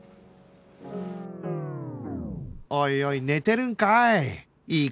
おいおい寝てるんかい！